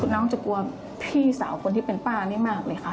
น้องจะกลัวพี่สาวคนที่เป็นป้านี่มากเลยค่ะ